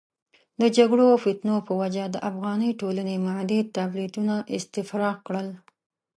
د جګړو او فتنو په وجه د افغاني ټولنې معدې ټابلیتونه استفراق کړل.